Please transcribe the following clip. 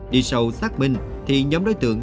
đi sâu xác minh thì nhóm đối tượng